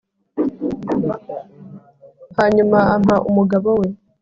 hanyuma ampa umugabo we